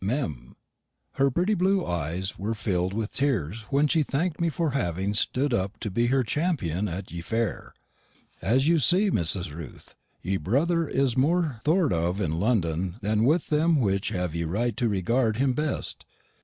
Mem. Her pritty blu eys wear fill'd with teares wen she thank'd me for having studd up to be her champyun at ye Fare. So you see, Mrs. Ruth, ye brotherr is more thort off in London than with them which hav ye rite to regard him bestt.